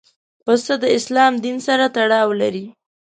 پسه د اسلام دین سره تړاو لري.